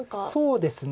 そうですね。